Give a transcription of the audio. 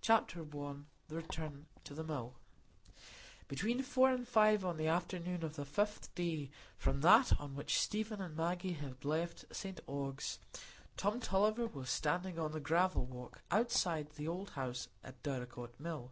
Chapter I. The Return to the Mill Between four and five o'clock on the afternoon of the fifth day from that on which Stephen and Maggie had left St Ogg's, Tom Tulliver was standing on the gravel walk outside the old house at Dorlcote Mill.